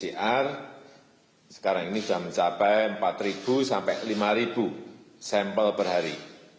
pcr sekarang ini sudah mencapai empat sampai lima sampel per hari